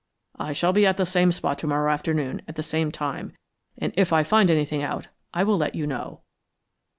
I shall be at the same spot to morrow afternoon at the same time, and if I find anything out I will let you know."